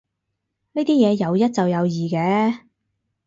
呢啲嘢有一就有二嘅